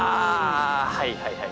はいはいはい。